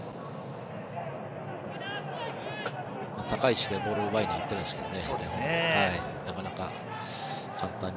高い位置でボールを奪いにいったんですけどね。